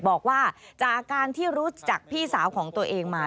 บอกว่าจากการที่รู้จักพี่สาวของตัวเองมา